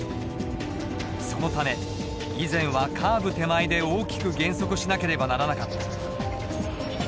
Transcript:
そのため以前はカーブ手前で大きく減速しなければならなかった。